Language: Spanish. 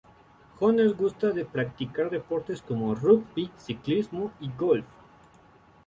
Jones gusta de practicar deportes como rugby, ciclismo y golf.